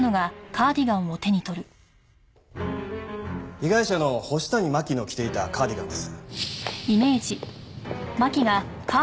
被害者の星谷真輝の着ていたカーディガンです。